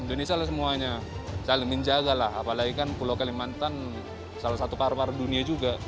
indonesia lah semuanya saling menjaga lah apalagi kan pulau kalimantan salah satu paru paru dunia juga